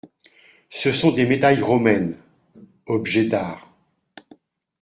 Ce sont des médailles romaines … objet d'art.